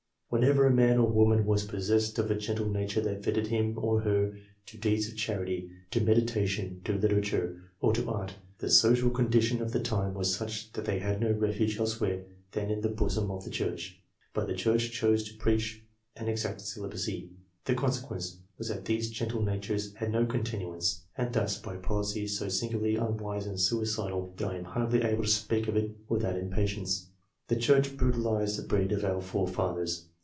Whenever a man or woman was possessed of a gentle nature that fitted him or her to deeds of charity, to meditation, to literature, or to art, the social condition 344 INFLUENCES THAT AFFECT THE of the time was such that they had no refuge elsewhere than in the bosom of the Church. But the Church chose to preach and exact celibacy. The consequence was that these gentle natures had no continuance, and thus, by a policy so singularly unwise and suicidal that I am hardly able to speak of it without impatience, the Church brutalized the breed of our forefathers.